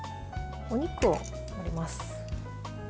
お肉を盛ります。